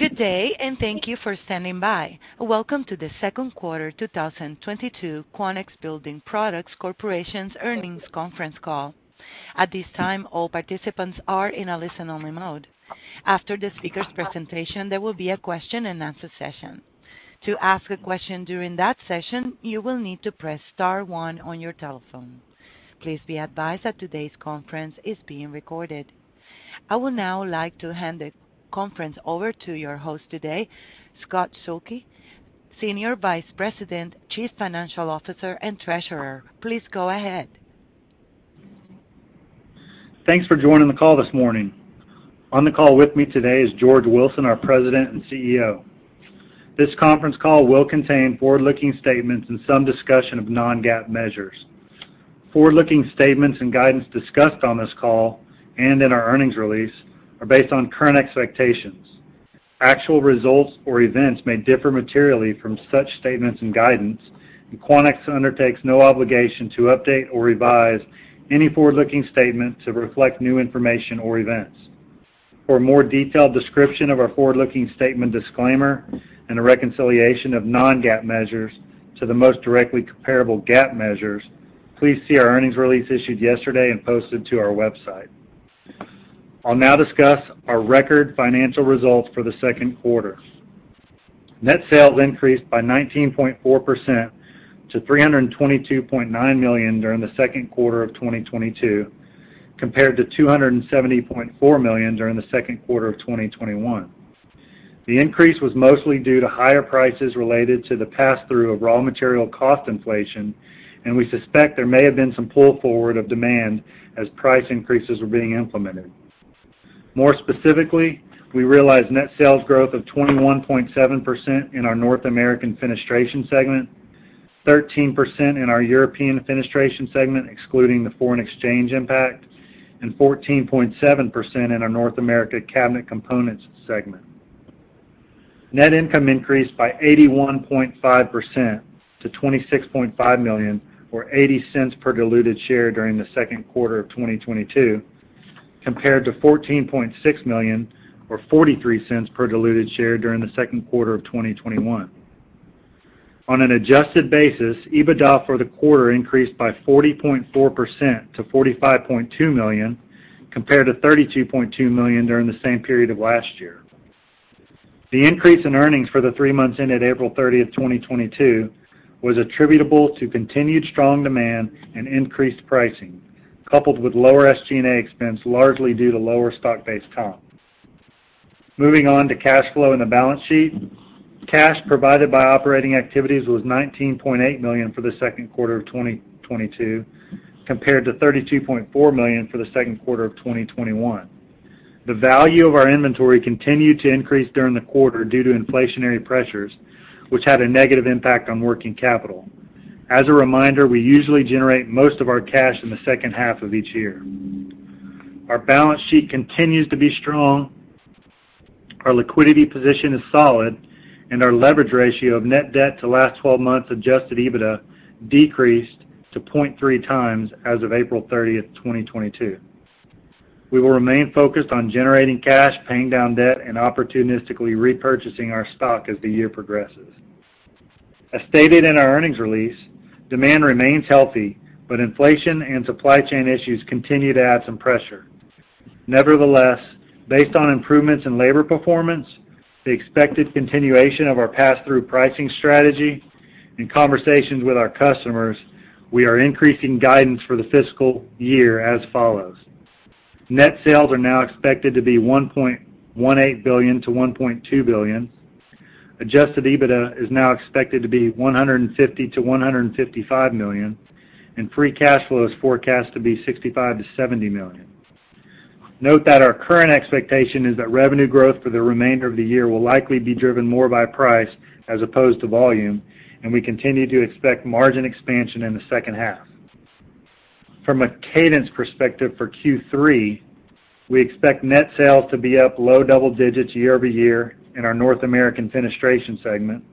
Good day, and thank you for standing by. Welcome to the second quarter 2022 Quanex Building Products Corporation's earnings conference call. At this time, all participants are in a listen-only mode. After the speaker's presentation, there will be a Q&A session. To ask a question during that session, you will need to press star one on your telephone. Please be advised that today's conference is being recorded. I would now like to hand the conference over to your host today, Scott Zuehlke, Senior Vice President, Chief Financial Officer and Treasurer. Please go ahead. Thanks for joining the call this morning. On the call with me today is George Wilson, our President and CEO. This conference call will contain forward-looking statements and some discussion of non-GAAP measures. Forward-looking statements and guidance discussed on this call and in our earnings release are based on current expectations. Actual results or events may differ materially from such statements and guidance. Quanex undertakes no obligation to update or revise any forward-looking statements to reflect new information or events. For a more detailed description of our forward-looking statement disclaimer and a reconciliation of non-GAAP measures to the most directly comparable GAAP measures, please see our earnings release issued yesterday and posted to our website. I'll now discuss our record financial results for the second quarter. Net sales increased by 19.4% to $322.9 million during the second quarter of 2022, compared to $270.4 million during the second quarter of 2021. The increase was mostly due to higher prices related to the pass-through of raw material cost inflation, and we suspect there may have been some pull forward of demand as price increases were being implemented. More specifically, we realized net sales growth of 21.7% in our North American Fenestration segment, 13% in our European Fenestration segment, excluding the foreign exchange impact, and 14.7% in our North American Cabinet Components segment. Net income increased by 81.5% to $26.5 million or $0.80 per diluted share during the second quarter of 2022, compared to $14.6 million or $0.43 per diluted share during the second quarter of 2021. On an adjusted basis, EBITDA for the quarter increased by 40.4% to $45.2 million, compared to $32.2 million during the same period of last year. The increase in earnings for the three months ended April 30, 2022 was attributable to continued strong demand and increased pricing, coupled with lower SG&A expense, largely due to lower stock-based comp. Moving on to cash flow and the balance sheet. Cash provided by operating activities was $19.8 million for the second quarter of 2022, compared to $32.4 million for the second quarter of 2021. The value of our inventory continued to increase during the quarter due to inflationary pressures, which had a negative impact on working capital. As a reminder, we usually generate most of our cash in the second half of each year. Our balance sheet continues to be strong. Our liquidity position is solid, and our leverage ratio of net debt to last 12 months adjusted EBITDA decreased to 0.3x as of April 30th, 2022. We will remain focused on generating cash, paying down debt, and opportunistically repurchasing our stock as the year progresses. As stated in our earnings release, demand remains healthy, but inflation and supply chain issues continue to add some pressure. Nevertheless, based on improvements in labor performance, the expected continuation of our pass-through pricing strategy, and conversations with our customers, we are increasing guidance for the fiscal year as follows. Net sales are now expected to be $1.18 billion-$1.2 billion. Adjusted EBITDA is now expected to be $150-$155 million, and free cash flow is forecast to be $65-$70 million. Note that our current expectation is that revenue growth for the remainder of the year will likely be driven more by price as opposed to volume, and we continue to expect margin expansion in the second half. From a cadence perspective for Q3, we expect net sales to be up low double digits year-over-year in our North American Fenestration segment,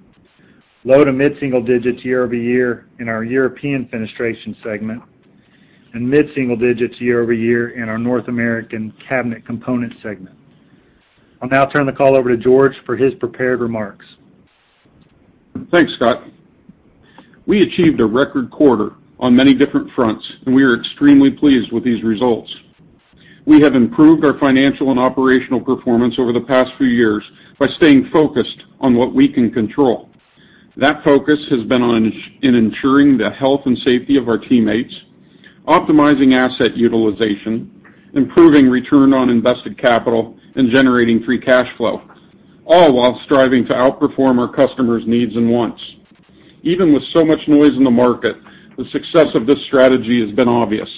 low to mid single digits year-over-year in our European Fenestration segment, and mid single digits year-over-year in our North American Cabinet Components segment. I'll now turn the call over to George for his prepared remarks. Thanks, Scott. We achieved a record quarter on many different fronts, and we are extremely pleased with these results. We have improved our financial and operational performance over the past few years by staying focused on what we can control. That focus has been on ensuring the health and safety of our teammates, optimizing asset utilization, improving return on invested capital, and generating free cash flow, all while striving to outperform our customers' needs and wants. Even with so much noise in the market, the success of this strategy has been obvious.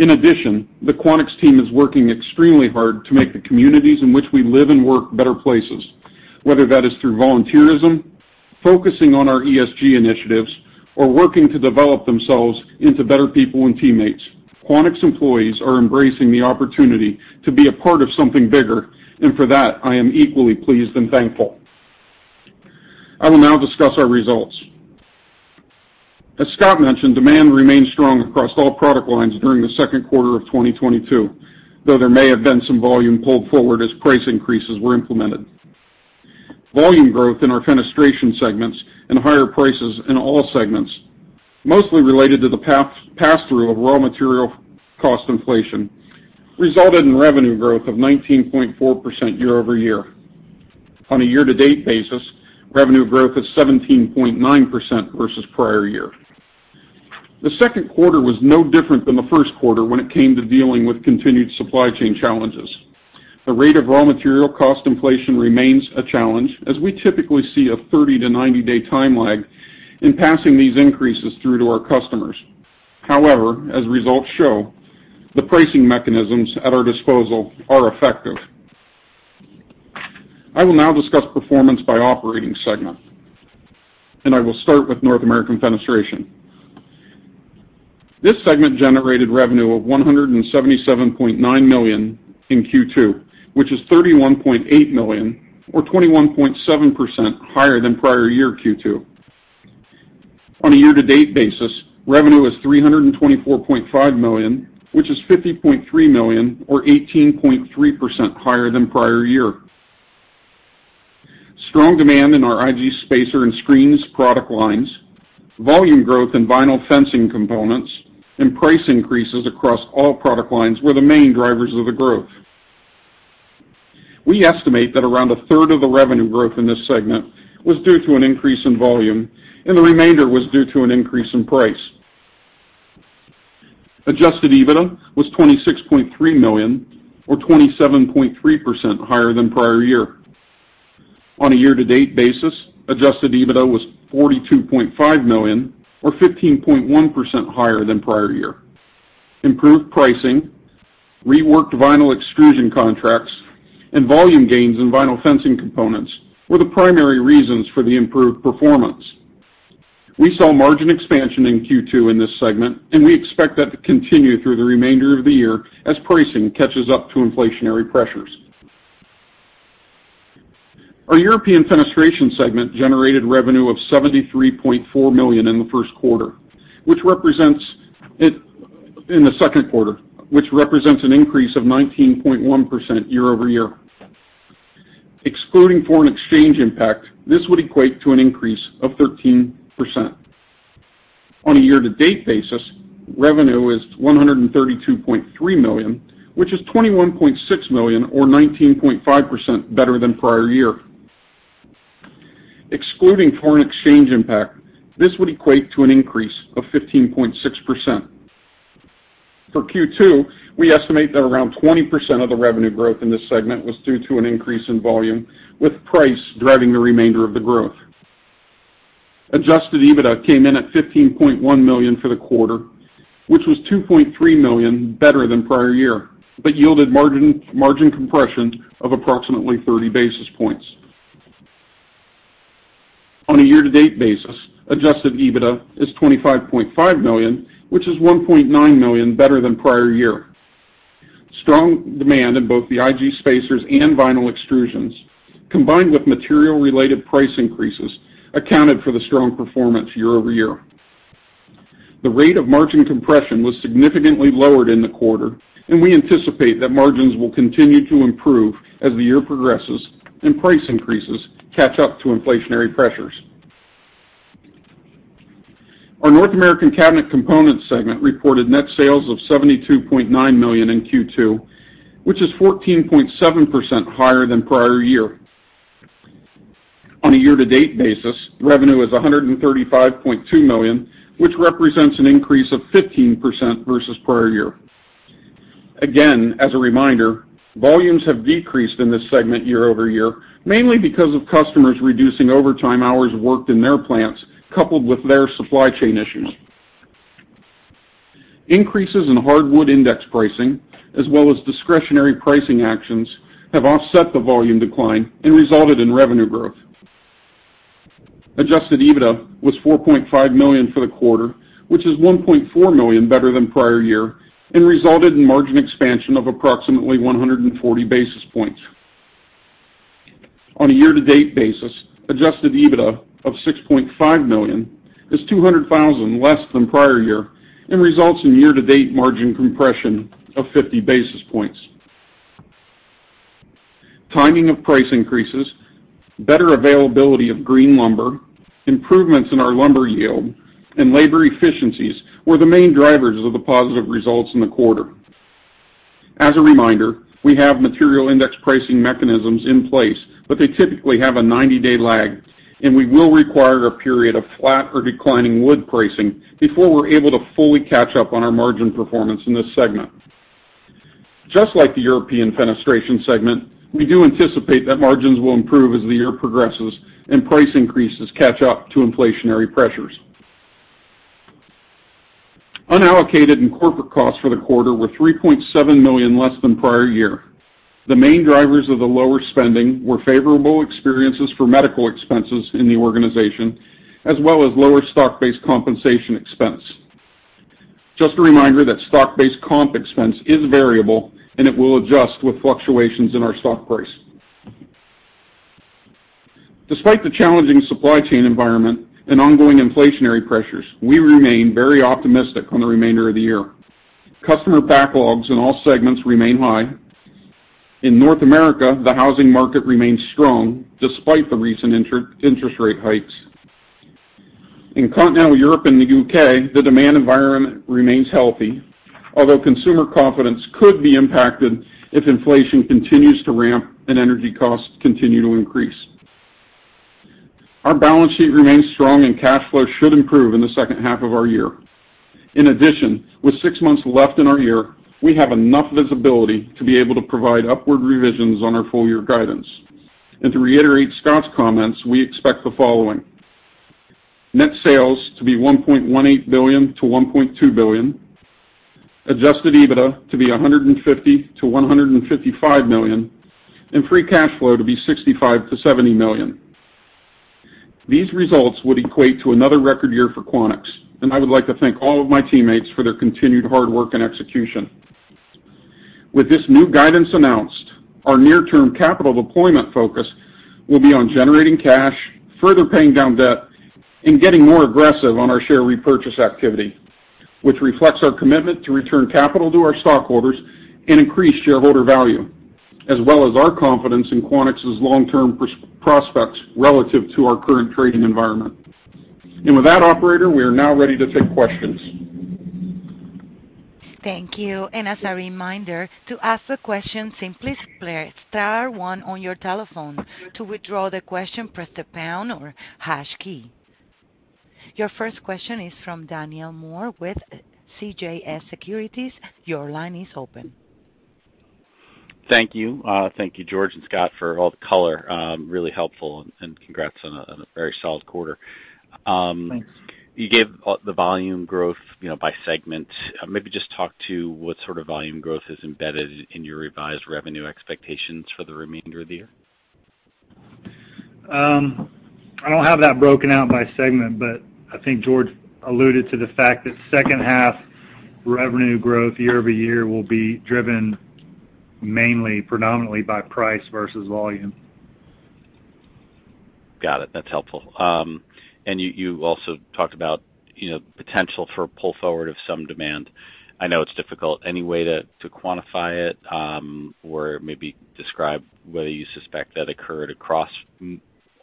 In addition, the Quanex team is working extremely hard to make the communities in which we live and work better places, whether that is through volunteerism, focusing on our ESG initiatives, or working to develop themselves into better people and teammates. Quanex employees are embracing the opportunity to be a part of something bigger, and for that, I am equally pleased and thankful. I will now discuss our results. As Scott mentioned, demand remained strong across all product lines during the second quarter of 2022, though there may have been some volume pulled forward as price increases were implemented. Volume growth in our fenestration segments and higher prices in all segments, mostly related to the pass-through of raw material cost inflation, resulted in revenue growth of 19.4% year-over-year. On a year-to-date basis, revenue growth of 17.9% versus prior year. The second quarter was no different than the first quarter when it came to dealing with continued supply chain challenges. The rate of raw material cost inflation remains a challenge, as we typically see a 30-90-day time lag in passing these increases through to our customers. However, as results show, the pricing mechanisms at our disposal are effective. I will now discuss performance by operating segment, and I will start with North American Fenestration. This segment generated revenue of $177.9 million in Q2, which is $31.8 million or 21.7% higher than prior year Q2. On a year-to-date basis, revenue is $324.5 million, which is $50.3 million or 18.3% higher than prior year. Strong demand in our IG spacer and screens product lines, volume growth in vinyl fencing components, and price increases across all product lines were the main drivers of the growth. We estimate that around a third of the revenue growth in this segment was due to an increase in volume, and the remainder was due to an increase in price. Adjusted EBITDA was $26.3 million or 27.3% higher than prior year. On a year-to-date basis, adjusted EBITDA was $42.5 million or 15.1% higher than prior year. Improved pricing, reworked vinyl extrusion contracts, and volume gains in vinyl fencing components were the primary reasons for the improved performance. We saw margin expansion in Q2 in this segment, and we expect that to continue through the remainder of the year as pricing catches up to inflationary pressures. Our European Fenestration segment generated revenue of $73.4 million in the second quarter, which represents an increase of 19.1% year-over-year. Excluding foreign exchange impact, this would equate to an increase of 13%. On a year-to-date basis, revenue is $132.3 million, which is $21.6 million or 19.5% better than prior year. Excluding foreign exchange impact, this would equate to an increase of 15.6%. For Q2, we estimate that around 20% of the revenue growth in this segment was due to an increase in volume, with price driving the remainder of the growth. Adjusted EBITDA came in at $15.1 million for the quarter, which was $2.3 million better than prior year, but yielded margin compression of approximately 30 basis points. On a year-to-date basis, adjusted EBITDA is $25.5 million, which is $1.9 million better than prior year. Strong demand in both the IG spacers and vinyl extrusions, combined with material-related price increases, accounted for the strong performance year-over-year. The rate of margin compression was significantly lowered in the quarter, and we anticipate that margins will continue to improve as the year progresses and price increases catch up to inflationary pressures. Our North American Cabinet Components segment reported net sales of $72.9 million in Q2, which is 14.7% higher than prior year. On a year-to-date basis, revenue is $135.2 million, which represents an increase of 15% versus prior year. Again, as a reminder, volumes have decreased in this segment year-over-year, mainly because of customers reducing overtime hours worked in their plants, coupled with their supply chain issues. Increases in hardwood index pricing as well as discretionary pricing actions have offset the volume decline and resulted in revenue growth. Adjusted EBITDA was $4.5 million for the quarter, which is $1.4 million better than prior year and resulted in margin expansion of approximately 140 basis points. On a year-to-date basis, adjusted EBITDA of $6.5 million is $200,000 less than prior year and results in year-to-date margin compression of 50 basis points. Timing of price increases, better availability of green lumber, improvements in our lumber yield, and labor efficiencies were the main drivers of the positive results in the quarter. As a reminder, we have material index pricing mechanisms in place, but they typically have a 90-day lag, and we will require a period of flat or declining wood pricing before we're able to fully catch up on our margin performance in this segment. Just like the European Fenestration segment, we do anticipate that margins will improve as the year progresses and price increases catch up to inflationary pressures. Unallocated and corporate costs for the quarter were $3.7 million less than prior year. The main drivers of the lower spending were favorable experiences for medical expenses in the organization, as well as lower stock-based compensation expense. Just a reminder that stock-based comp expense is variable, and it will adjust with fluctuations in our stock price. Despite the challenging supply chain environment and ongoing inflationary pressures, we remain very optimistic on the remainder of the year. Customer backlogs in all segments remain high. In North America, the housing market remains strong despite the recent interest rate hikes. In Continental Europe and the U.K., the demand environment remains healthy, although consumer confidence could be impacted if inflation continues to ramp and energy costs continue to increase. Our balance sheet remains strong and cash flow should improve in the second half of our year. In addition, with six months left in our year, we have enough visibility to be able to provide upward revisions on our full year guidance. To reiterate Scott's comments, we expect the following. Net sales to be $1.18-$1.2 billion, adjusted EBITDA to be $150-$155 million, and free cash flow to be $65-$70 million. These results would equate to another record year for Quanex, and I would like to thank all of my teammates for their continued hard work and execution. With this new guidance announced, our near-term capital deployment focus will be on generating cash, further paying down debt, and getting more aggressive on our share repurchase activity, which reflects our commitment to return capital to our stockholders and increase shareholder value, as well as our confidence in Quanex's long-term prospects relative to our current trading environment. With that operator, we are now ready to take questions. Thank you. As a reminder to ask a question, simply press star one on your telephone. To withdraw the question, press the pound or hash key. Your first question is from Daniel Moore with CJS Securities. Your line is open. Thank you. Thank you, George and Scott for all the color, really helpful and congrats on a very solid quarter. Thanks. You gave all the volume growth, you know, by segment. Maybe just talk to what sort of volume growth is embedded in your revised revenue expectations for the remainder of the year. I don't have that broken out by segment, but I think George alluded to the fact that second half revenue growth year-over-year will be driven mainly predominantly by price versus volume. Got it. That's helpful. You also talked about, you know, potential for pull forward of some demand. I know it's difficult. Any way to quantify it, or maybe describe whether you suspect that occurred across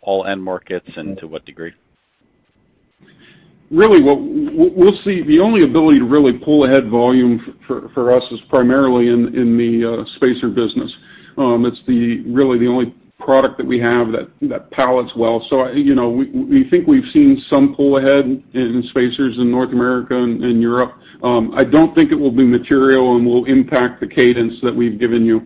all end markets and to what degree? Really what we'll see, the only ability to really pull ahead volume for us is primarily in the spacer business. It's really the only product that we have that scales well. So, I, you know, we think we've seen some pull ahead in spacers in North America and in Europe. I don't think it will be material and will impact the cadence that we've given you.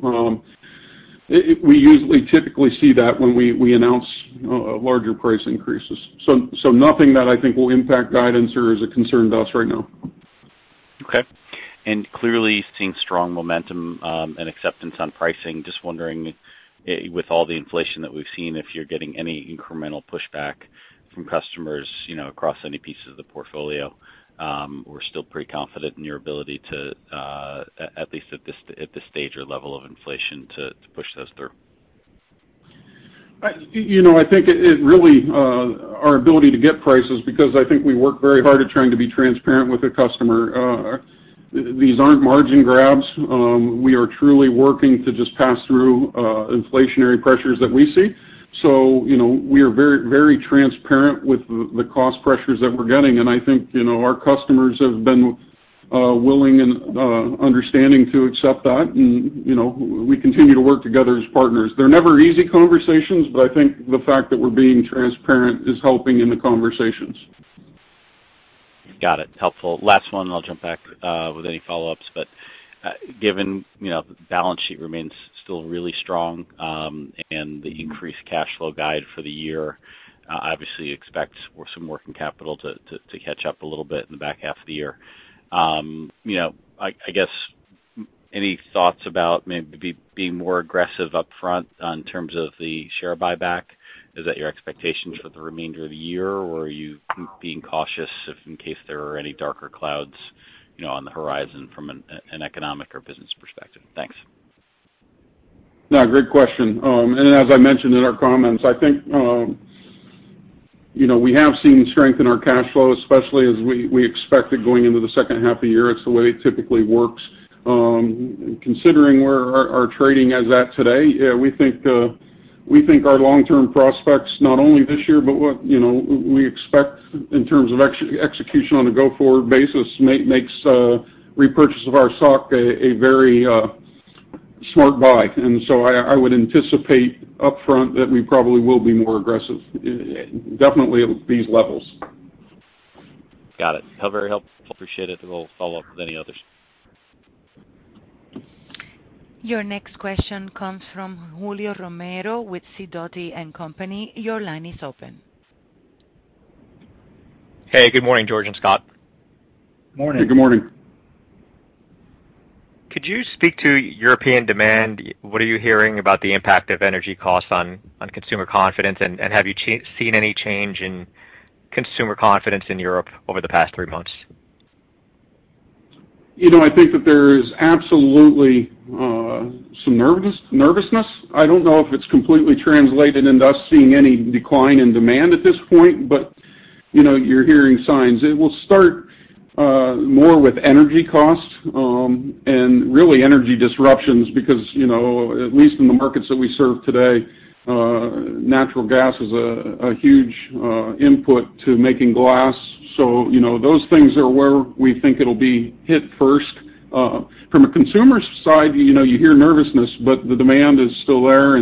We usually typically see that when we announce larger price increases. So nothing that I think will impact guidance or is a concern to us right now. Okay. Clearly seeing strong momentum and acceptance on pricing. Just wondering, with all the inflation that we've seen, if you're getting any incremental pushback from customers, you know, across any pieces of the portfolio, or still pretty confident in your ability to at least at this stage or level of inflation to push those through? You know, I think it's really our ability to get prices because I think we work very hard at trying to be transparent with the customer. These aren't margin grabs. We are truly working to just pass through inflationary pressures that we see. You know, we are very, very transparent with the cost pressures that we're getting. I think, you know, our customers have been willing and understanding to accept that. You know, we continue to work together as partners. They're never easy conversations, but I think the fact that we're being transparent is helping in the conversations. Got it. Helpful. Last one, and I'll jump back with any follow-ups. Given, you know, the balance sheet remains still really strong, and the increased cash flow guide for the year, obviously expect for some working capital to catch up a little bit in the back half of the year. You know, I guess, any thoughts about maybe being more aggressive upfront in terms of the share buyback? Is that your expectations for the remainder of the year, or are you being cautious if in case there are any darker clouds, you know, on the horizon from an economic or business perspective? Thanks. No, great question. As I mentioned in our comments, I think, you know, we have seen strength in our cash flow, especially as we expected going into the second half of the year. It's the way it typically works. Considering where our trading is at today, yeah, we think our long-term prospects, not only this year, but what, you know, we expect in terms of execution on a go-forward basis makes repurchase of our stock a very smart buy. I would anticipate upfront that we probably will be more aggressive, definitely at these levels. Got it. Appreciate it. We'll follow up with any others. Your next question comes from Julio Romero with Sidoti & Company. Your line is open. Hey, good morning, George and Scott. Morning. Good morning. Could you speak to European demand? What are you hearing about the impact of energy costs on consumer confidence? Have you seen any change in consumer confidence in Europe over the past three months? You know, I think that there is absolutely some nervousness. I don't know if it's completely translated into us seeing any decline in demand at this point, but you know, you're hearing signs. It will start more with energy costs and really energy disruptions because you know, at least in the markets that we serve today, natural gas is a huge input to making glass. So you know, those things are where we think it'll be hit first. From a consumer side, you know, you hear nervousness, but the demand is still there.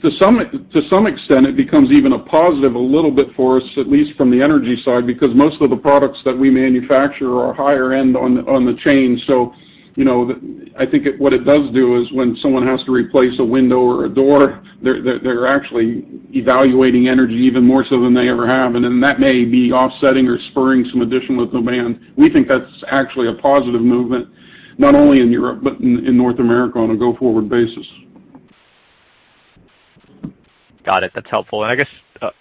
To some extent, it becomes even a positive a little bit for us, at least from the energy side, because most of the products that we manufacture are higher end on the chain. You know, I think what it does do is when someone has to replace a window or a door, they're actually evaluating energy even more so than they ever have. That may be offsetting or spurring some additional demand. We think that's actually a positive movement, not only in Europe, but in North America on a go-forward basis. I guess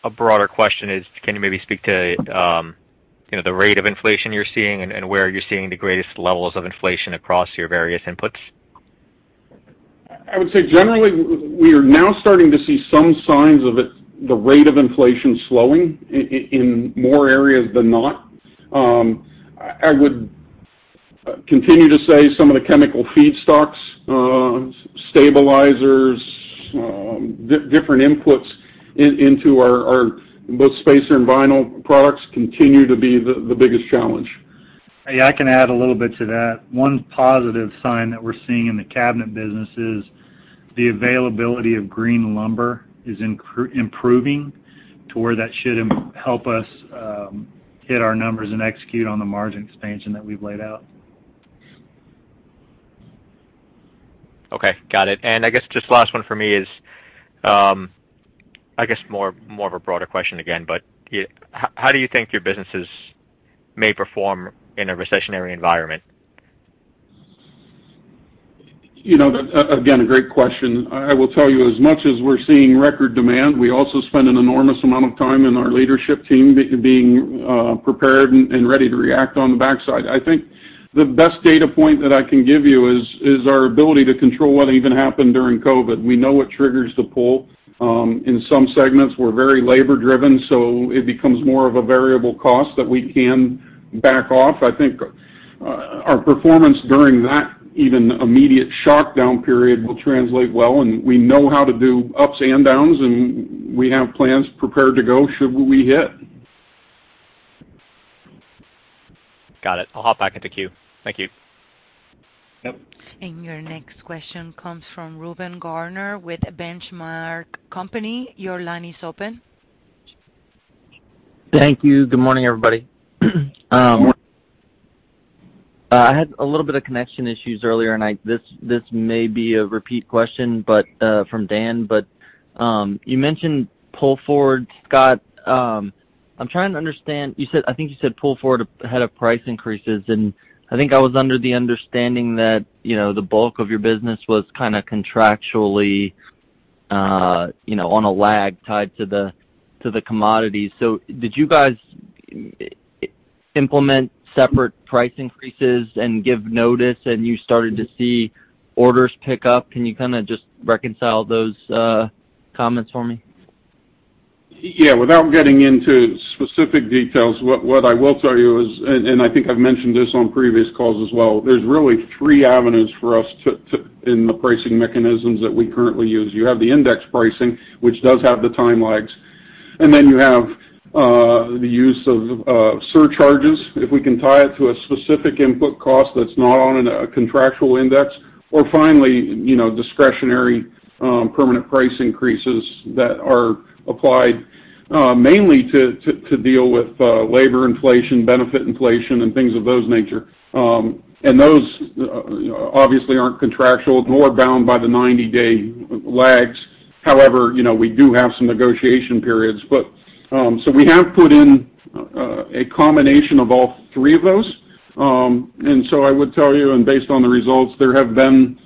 a broader question is, can you maybe speak to, you know, the rate of inflation you're seeing and where you're seeing the greatest levels of inflation across your various inputs? I would say generally we are now starting to see some signs of it, the rate of inflation slowing in more areas than not. I would continue to say some of the chemical feedstocks, stabilizers, different inputs into our both spacer and vinyl products continue to be the biggest challenge. Hey, I can add a little bit to that. One positive sign that we're seeing in the cabinet business is the availability of green lumber improving to where that should help us hit our numbers and execute on the margin expansion that we've laid out. Okay. Got it. I guess just last one for me is, I guess more of a broader question again, but how do you think your businesses may perform in a recessionary environment? You know, again, a great question. I will tell you, as much as we're seeing record demand, we also spend an enormous amount of time in our leadership team being prepared and ready to react on the backside. I think the best data point that I can give you is our ability to control what even happened during COVID. We know what triggers the pull. In some segments, we're very labor-driven, so it becomes more of a variable cost that we can back off. I think our performance during that even immediate shock down period will translate well, and we know how to do ups and downs, and we have plans prepared to go should we hit. Got it. I'll hop back in the queue. Thank you. Yep. Your next question comes from Ruben Garner with Benchmark Company. Your line is open. Thank you. Good morning, everybody. I had a little bit of connection issues earlier, and this may be a repeat question, but from Dan, you mentioned pull forward, Scott. I'm trying to understand. You said. I think you said pull forward ahead of price increases. I think I was under the understanding that, you know, the bulk of your business was kind of contractually, you know, on a lag tied to the commodities. Did you guys implement separate price increases and give notice and you started to see orders pick up? Can you kind of just reconcile those comments for me? Yeah. Without getting into specific details, what I will tell you is, and I think I've mentioned this on previous calls as well, there's really three avenues for us in the pricing mechanisms that we currently use. You have the index pricing, which does have the time lags, and then you have the use of surcharges if we can tie it to a specific input cost that's not on a contractual index. Or finally, you know, discretionary permanent price increases that are applied mainly to deal with labor inflation, benefit inflation, and things of that nature. Those, you know, obviously aren't contractual nor bound by the 90-day lags. However, you know, we do have some negotiation periods. We have put in a combination of all three of those. I would tell you, and based on the results, there have been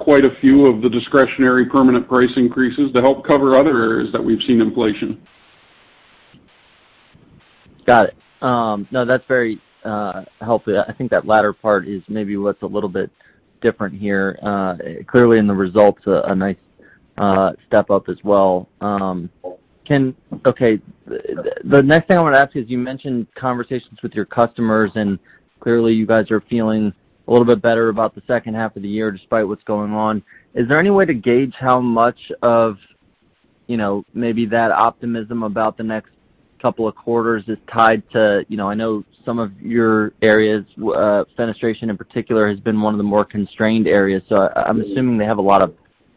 quite a few of the discretionary permanent price increases to help cover other areas that we've seen inflation. Got it. No, that's very helpful. I think that latter part is maybe what's a little bit different here. Clearly in the results, a nice step up as well. Okay. The next thing I want to ask is, you mentioned conversations with your customers, and clearly, you guys are feeling a little bit better about the second half of the year despite what's going on. Is there any way to gauge how much of, you know, maybe that optimism about the next couple of quarters is tied to, you know, I know some of your areas, fenestration in particular, has been one of the more constrained areas, so I'm assuming they have a lot of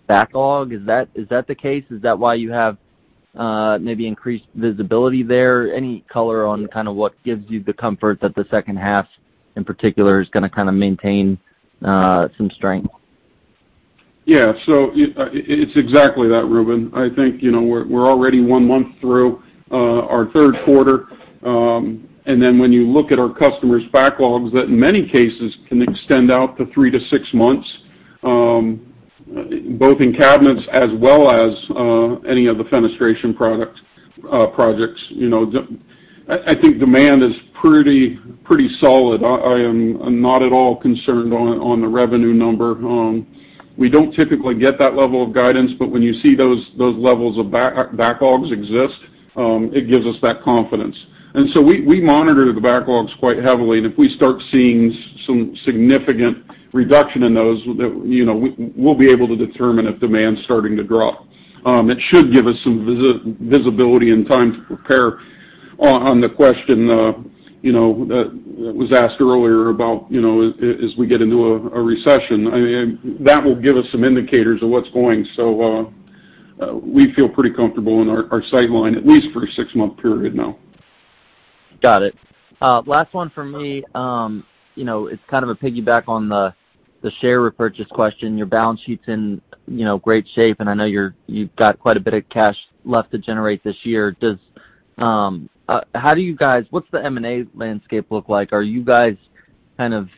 backlog. Is that, is that the case? Is that why you have maybe increased visibility there? Any color on kind of what gives you the comfort that the second half in particular is gonna kind of maintain some strength? Yeah. It's exactly that, Ruben. I think, you know, we're already one month through our third quarter. When you look at our customers' backlogs that in many cases can extend out to three to six months, both in cabinets as well as any of the fenestration product projects, you know, I think demand is pretty solid. I'm not at all concerned on the revenue number. We don't typically get that level of guidance, but when you see those levels of backlogs exist, it gives us that confidence. We monitor the backlogs quite heavily, and if we start seeing some significant reduction in those, you know, we'll be able to determine if demand's starting to drop. It should give us some visibility and time to prepare. On the question, you know, that was asked earlier about, you know, as we get into a recession. I mean, that will give us some indicators of what's going. We feel pretty comfortable in our sight line, at least for a six-month period now. Got it. Last one for me. You know, it's kind of a piggyback on the share repurchase question. Your balance sheet's in, you know, great shape, and I know you've got quite a bit of cash left to generate this year. What's the M&A landscape look like? Are you guys kind of,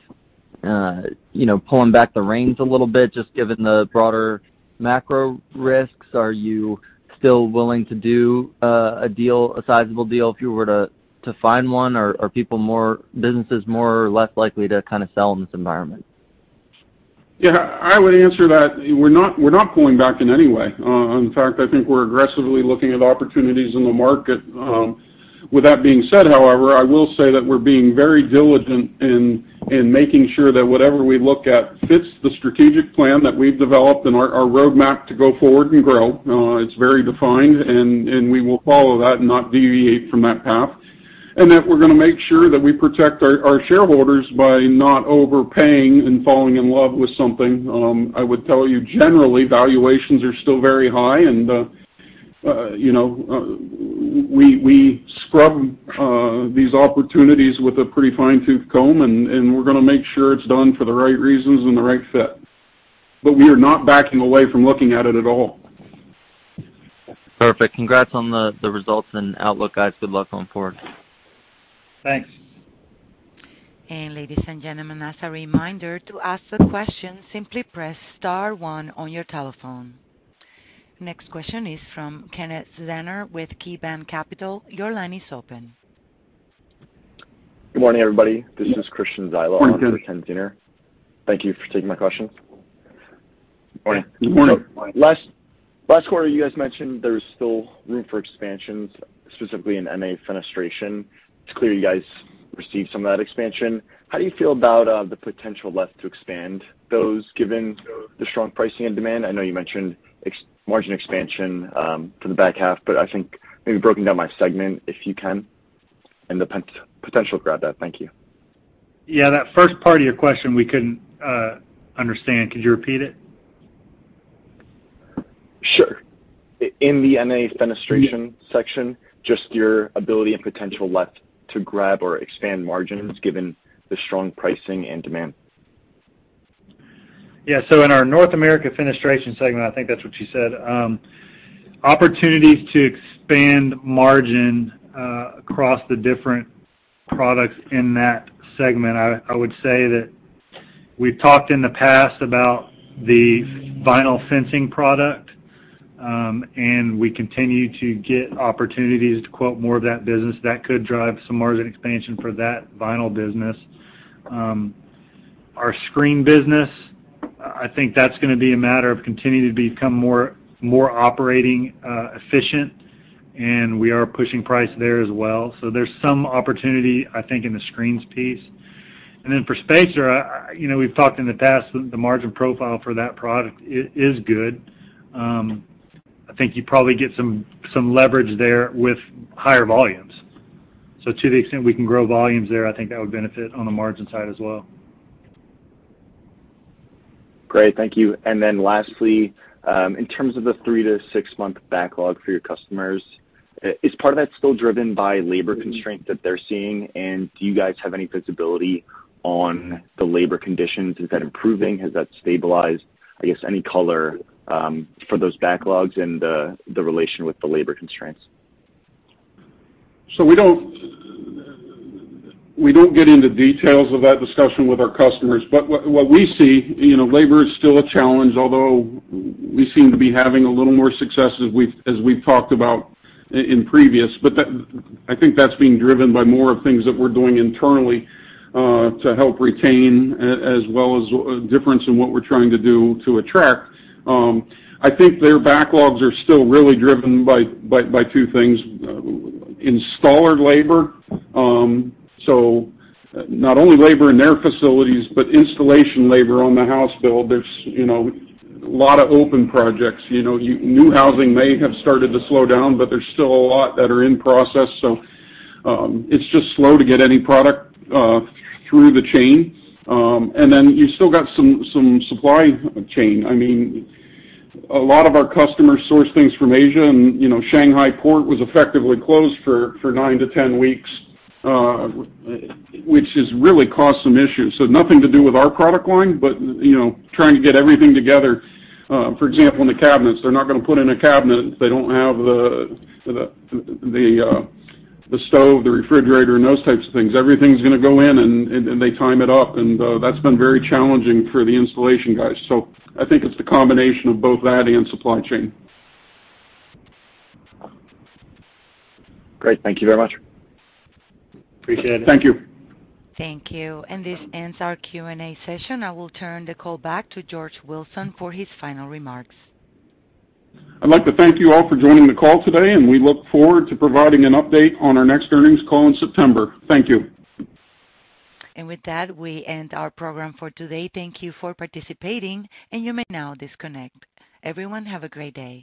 you know, pulling back the reins a little bit just given the broader macro risks? Are you still willing to do a deal, a sizable deal if you were to find one? Or are businesses more or less likely to kind of sell in this environment? Yeah. I would answer that we're not pulling back in any way. In fact, I think we're aggressively looking at opportunities in the market. With that being said, however, I will say that we're being very diligent in making sure that whatever we look at fits the strategic plan that we've developed and our roadmap to go forward and grow. It's very defined and we will follow that and not deviate from that path. That we're gonna make sure that we protect our shareholders by not overpaying and falling in love with something. I would tell you generally valuations are still very high and you know we scrub these opportunities with a pretty fine-tooth comb and we're gonna make sure it's done for the right reasons and the right fit. We are not backing away from looking at it at all. Perfect. Congrats on the results and outlook, guys. Good luck going forward. Thanks. Ladies and gentlemen, as a reminder, to ask a question, simply press star one on your telephone. Next question is from Kenneth Zener with KeyBanc Capital. Your line is open. Good morning, everybody. Yes. This is Christian Zyla. Morning, Christian. Last name Ken Zener. Thank you for taking my questions. Morning. Good morning. Last quarter, you guys mentioned there's still room for expansions, specifically in NA Fenestration. It's clear you guys received some of that expansion. How do you feel about the potential left to expand those given the strong pricing and demand? I know you mentioned margin expansion for the back half, but I think maybe breaking down by segment if you can and the potential to grab that. Thank you. Yeah, that first part of your question we couldn't understand. Could you repeat it? Sure. In the NA Fenestration section, just your ability and potential left to grab or expand margins given the strong pricing and demand. Yeah. In our North American Fenestration segment, I think that's what you said, opportunities to expand margin across the different products in that segment. I would say that we've talked in the past about the vinyl fencing product, and we continue to get opportunities to quote more of that business. That could drive some margin expansion for that vinyl business. Our screen business, I think that's gonna be a matter of continuing to become more operationally efficient, and we are pushing price there as well. There's some opportunity, I think, in the screens piece. For spacer, you know, we've talked in the past, the margin profile for that product is good. I think you probably get some leverage there with higher volumes. To the extent we can grow volumes there, I think that would benefit on the margin side as well. Great. Thank you. Lastly, in terms of the three to six month backlog for your customers, is part of that still driven by labor constraint that they're seeing? Do you guys have any visibility on the labor conditions? Is that improving? Has that stabilized? I guess any color for those backlogs and the relation with the labor constraints? We don't get into details of that discussion with our customers. What we see, you know, labor is still a challenge, although we seem to be having a little more success as we've talked about in previous. That, I think that's being driven by more of things that we're doing internally, to help retain as well as a difference in what we're trying to do to attract. I think their backlogs are still really driven by two things. Installer labor, so not only labor in their facilities, but installation labor on the house build. There's, you know, a lot of open projects. You know, new housing may have started to slow down, but there's still a lot that are in process. It's just slow to get any product through the chain. You still got some supply chain. I mean, a lot of our customers source things from Asia and, you know, Shanghai port was effectively closed for nine-10 weeks, which has really caused some issues. Nothing to do with our product line, but, you know, trying to get everything together. For example, in the cabinets, they're not gonna put in a cabinet if they don't have the stove, the refrigerator, and those types of things. Everything's gonna go in and they time it up and, that's been very challenging for the installation guys. I think it's the combination of both that and supply chain. Great. Thank you very much. Appreciate it. Thank you. Thank you. This ends our Q&A session. I will turn the call back to George Wilson for his final remarks. I'd like to thank you all for joining the call today, and we look forward to providing an update on our next earnings call in September. Thank you. With that, we end our program for today. Thank you for participating, and you may now disconnect. Everyone, have a great day.